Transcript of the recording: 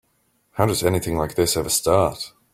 How does anything like this ever start?